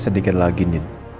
sedikit lagi nin